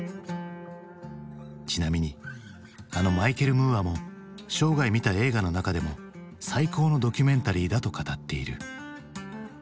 ちなみにあのマイケル・ムーアも「生涯観た映画の中でも最高のドキュメンタリーだ」と語っている。